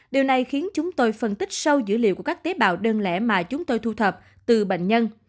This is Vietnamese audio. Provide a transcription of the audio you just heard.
điều này khiến chúng tôi phân tích sâu dữ liệu của các tế bào đơn lẻ mà chúng tôi thu thập từ bệnh nhân